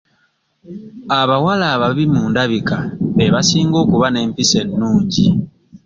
Abawala ababi mu ndabika be basinga okuba n'empisa ennungi.